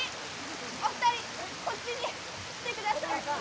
お二人こっちに来てください